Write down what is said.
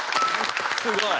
すごい。